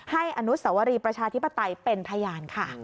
อนุสวรีประชาธิปไตยเป็นพยานค่ะ